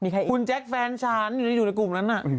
คุณแจ๊คแฟนฉันอยู่ในกลุ่มนั้นน่ะ